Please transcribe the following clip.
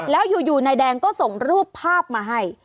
แล้วอยู่นายแดงก็ส่งรูปภาพมาให้